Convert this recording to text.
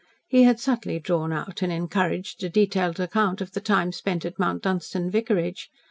He had subtly drawn out and encouraged a detailed account of the time spent at Mount Dunstan vicarage.